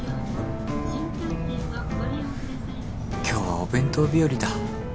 今日はお弁当日和だ。